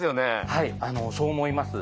はいそう思います。